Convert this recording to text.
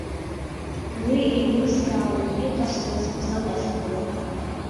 Уи иеилсыркаауеит иҟасҵаз зыҟасҵаз.